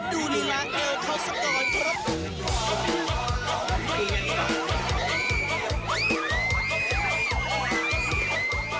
ดูนิลาเกล่าเขาสักก่อนครับ